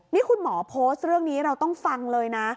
นี่ก็มอกับเรื่องนี้เราต้องฟังเลยนะ